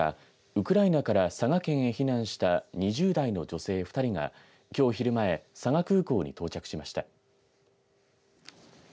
ウクライナから佐賀県へ避難した２０代の女性２人がきょう昼前佐賀空港に到着しました。